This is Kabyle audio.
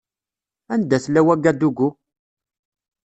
Anda tella Wagadugu?